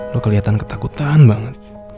lo keliatan ketakutan banget